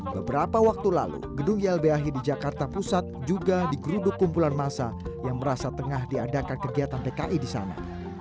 beberapa waktu lalu gedung ylbhi di jakarta pusat juga digeruduk kumpulan massa yang merasa tengah diadakan kegiatan pki di sana